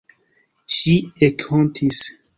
Ŝi ekhontis.